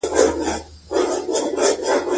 ازادي راډیو د کډوال په اړه پرله پسې خبرونه خپاره کړي.